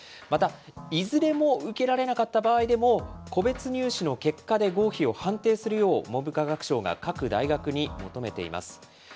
またいずれも受けられなかった場合でも、個別入試の結果で合否を判定するよう、文部科学省が各大学に求めています。